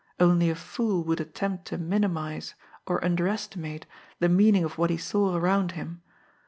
Only a fool would attempt to minimise or underestimate the meaning of what he saw around him.